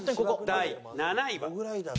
第７位は。